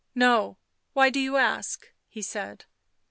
" No — why do you ask ?" he said.